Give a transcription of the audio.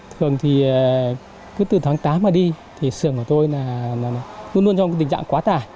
thường thì cứ từ tháng tám mà đi thì sưởng của tôi luôn luôn trong tình trạng quá tả